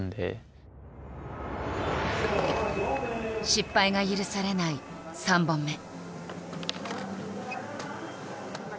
失敗が許されない３本目。